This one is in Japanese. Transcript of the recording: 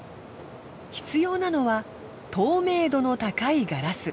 必要なのは透明度の高いガラス。